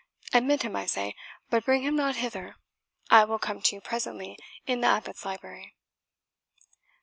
Admit him, I say, but bring him not hither; I will come to you presently in the Abbot's library."